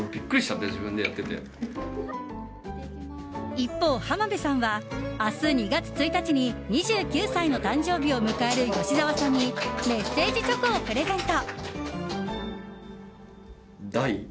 一方、浜辺さんは明日２月１日に２９歳の誕生日を迎える吉沢さんにメッセージチョコをプレゼント。